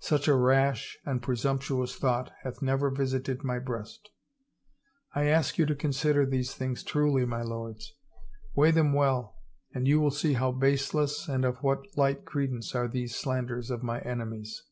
Such a rash and presumptuous thought hath never visited my breast 1 I ask you to consider these things truly, my lords. Weigh them well, and you will see how baseless and of what light credence are these slanders of my enemies.